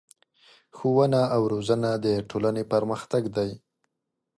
ښوونه او روزنه د ټولنې پرمختګ دی.